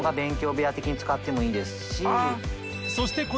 部屋的に使ってもいいですし。